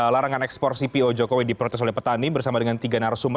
larangan ekspor cpo jokowi diprotes oleh petani bersama dengan tiga narasumber